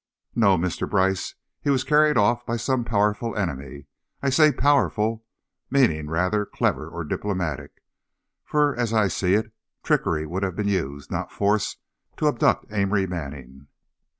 No, Mr. Brice, he was carried off by some powerful enemy. I say powerful, meaning rather, clever or diplomatic, for as I see it, trickery would have been used, not force, to abduct Amory Manning."